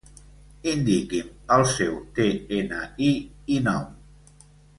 Indiqui'm el seu de-ena-i i nom.